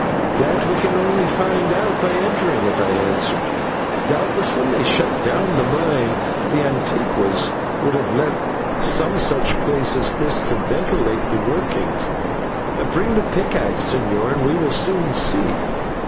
"That we can only find out by entering it," I answered. "Doubtless when they shut down the mine, the /antiguos/ would have left some such place as this to ventilate the workings. Bring the pickaxe, señor, and we will soon see."